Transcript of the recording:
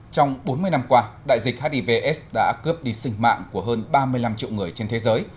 trong bốn mươi năm qua đại dịch hivs đã cướp đi sinh mạng của hơn ba mươi năm triệu người trên thế giới